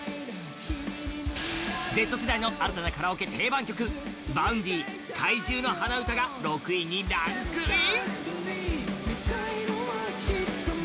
Ｚ世代の新たなカラオケ定番曲Ｖａｕｎｄｙ「怪獣の花唄」が６位にランクイン！